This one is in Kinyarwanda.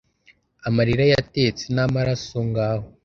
Amarira yatetse n'amaraso ngaho